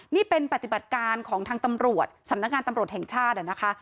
นี่เป็นปฏิบัติการของทางตำรวจสำนักงานตำรวจแห่งชาตินะคะ